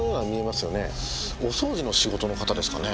お掃除の仕事の方ですかね？